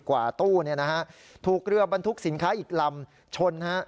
กว่าตู้เนี่ยนะฮะถูกเรือบรรทุกสินค้าอีกลำชนฮะ